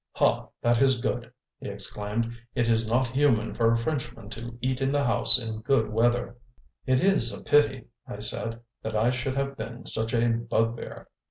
"Ha, that is good," he exclaimed. "It is not human for a Frenchman to eat in the house in good weather." "It is a pity," I said, "that I should have been such a bugbear."